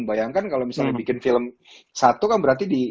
bayangkan kalau misalnya bikin film satu kan berarti di